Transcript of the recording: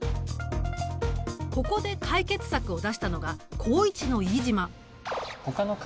ここで解決策を出したのが高１の飯島。